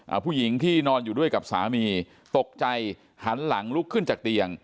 ผู้หญิงที่นอนอยู่ด้วยกับสามีตกใจหันหลังลุกขึ้นจากเตียง